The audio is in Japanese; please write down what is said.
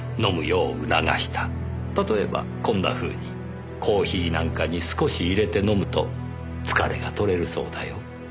例えばこんなふうに「コーヒーなんかに少し入れて飲むと疲れが取れるそうだよ」。